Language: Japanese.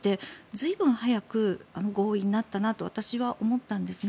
随分早く合意になったなと私は思ったんですね。